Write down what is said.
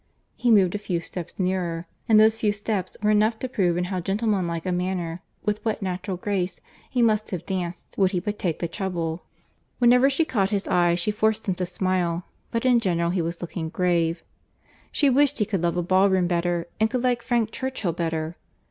—He moved a few steps nearer, and those few steps were enough to prove in how gentlemanlike a manner, with what natural grace, he must have danced, would he but take the trouble.—Whenever she caught his eye, she forced him to smile; but in general he was looking grave. She wished he could love a ballroom better, and could like Frank Churchill better.